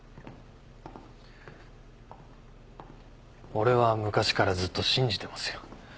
俺は昔からずっと信じてますよ